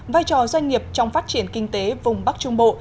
vai trò doanh nghiệp trong phát triển kinh tế vùng bắc trung bộ